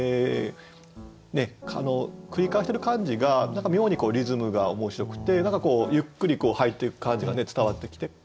繰り返してる感じが何か妙にリズムが面白くて何かこうゆっくり入っていく感じが伝わってきて。